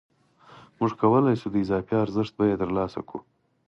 موږ کولای شو د اضافي ارزښت بیه ترلاسه کړو